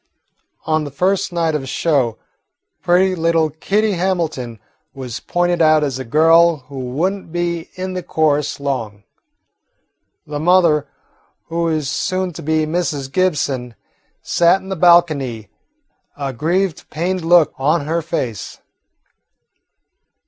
On the first night of the show pretty little Kitty Hamilton was pointed out as a girl who would n't be in the chorus long. The mother, who was soon to be Mrs. Gibson, sat in the balcony, a grieved, pained look on her face.